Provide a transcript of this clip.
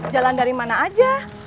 jalan dari mana aja